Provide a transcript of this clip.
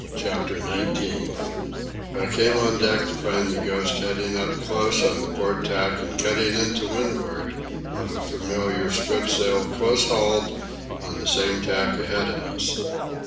CHAPTER XIX I came on deck to find the Ghost heading up close on the port tack and cutting in to windward of a familiar spritsail close hauled on the same tack ahead of us.